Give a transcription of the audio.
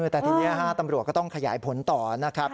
แต่ทีนี้ตำรวจก็ต้องขยายผลต่อนะครับ